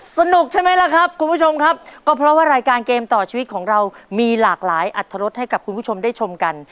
สนุกใช่ไหมล่ะครับคุณผู้ชมครับก็เพราะว่ารายการเกมต่อชีวิตของเรามีหลากหลายอัตรรสให้กับคุณผู้ชมได้ชมกัน